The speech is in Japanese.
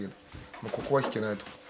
もうここは引けないと。